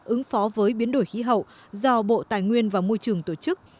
ứng phó với biến đổi khí hậu do bộ tài nguyên và môi trường tổ chức